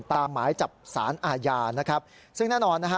หมายจับสารอาญานะครับซึ่งแน่นอนนะฮะ